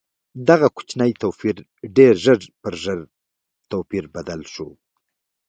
دغه کوچنی توپیر ډېر ژر پر ژور توپیر بدل شو.